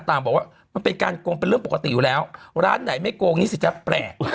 บอกว่ามันเป็นการโกงเป็นเรื่องปกติอยู่แล้วร้านไหนไม่โกงนี่สิจ๊ะแปลก